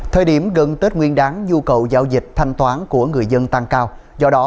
thời điểm gần tết nguyên đáng nhu cầu giao dịch thanh toán của người dân tăng cao do đó